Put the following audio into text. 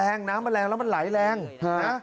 แรงน้ำมันแรงแล้วมันไหลแรงนะ